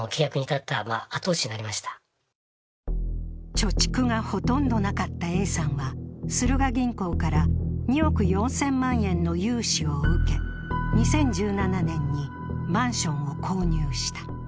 貯蓄がほとんどなかったＡさんはスルガ銀行から２億４０００万円の融資を受け、２０１７年にマンションを購入した。